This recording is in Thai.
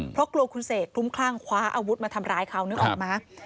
เพราะกลัวคุณเสกคลุ้มคลั่งคว้าอาวุธมาทำร้ายเขานึกออกมา